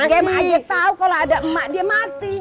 eh gai mak ngaji tau kalau ada emak dia mati